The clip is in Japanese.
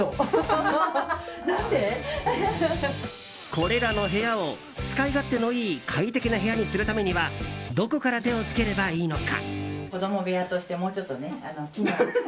これらの部屋を使い勝手のいい快適な部屋にするためにはどこから手を付ければいいのか。